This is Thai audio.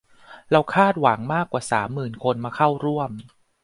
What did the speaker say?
เราคาดหวังมากกว่าสามหมื่นคนมาเข้าร่วม